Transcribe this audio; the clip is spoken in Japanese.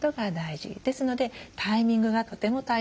ですのでタイミングがとても大切です。